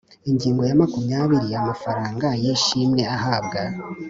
Ingingo ya makumyabiri Amafaranga y ishimwe ahabwa